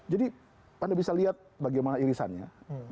jadi anda bisa lihat bagaimana irisannya